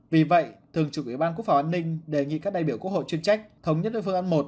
vì vậy thường trục ủy ban quốc phòng an ninh đề nghị các đại biểu quốc hội chuyên trách thống nhất với phương án một